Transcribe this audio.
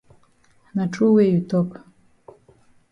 Na true wey you tok.